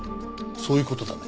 そういう事だね？